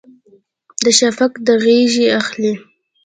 د شفق د غیږې اخلي